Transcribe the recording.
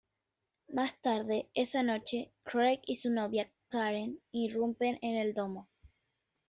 Más tarde esa noche, Craig y su novia, Karen, irrumpen en el domo.